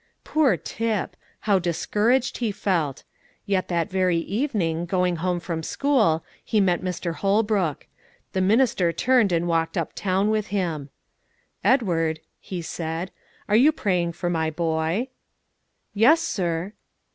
Poor Tip! how discouraged he felt! Yet that very evening, going home from school, he met Mr. Holbrook; the minister turned and walked up town with him. "Edward," he said, "are you praying for my boy?" "Yes, sir."